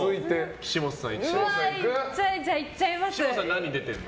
岸本さんは何に出てるの？